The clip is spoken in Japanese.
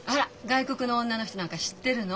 外国の女の人なんか知ってるの？